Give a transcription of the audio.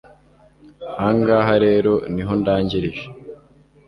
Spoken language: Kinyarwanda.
aha ngaha rero ni ho ndangirije